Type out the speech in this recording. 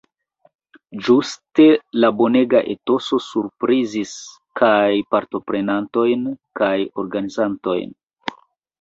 Ĝuste la bonega etoso surprizis kaj partoprenantojn kaj organizantojn.